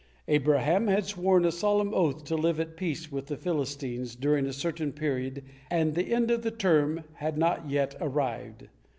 Abraham had sworn a solemn oath to live at peace with the Philistines during a certain period, and the end of the term had not yet arrived.